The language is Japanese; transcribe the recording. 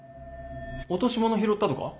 落とし物拾ったとか？